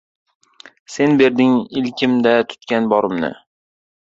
Sen berding ilkimda tutgan borimni